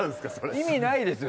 意味ないですよ